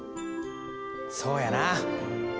そうやな。